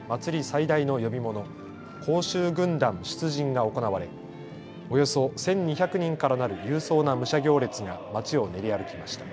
最大の呼び物、甲州軍団出陣が行われ、およそ１２００人からなる勇壮な武者行列がまちを練り歩きました。